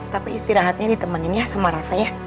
tapi istirahatnya ditemenin ya sama rafa ya